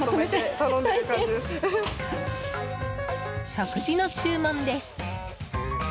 食事の注文です。